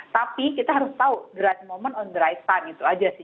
tapi kita harus tahu dry moment on dry sun gitu aja sih